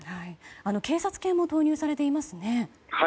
警察犬も投入されていますね。